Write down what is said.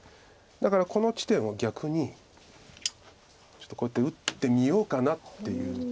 だからこの地点を逆にちょっとこうやって打ってみようかなっていう。